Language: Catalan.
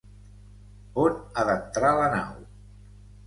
On ha d'entrar la nau?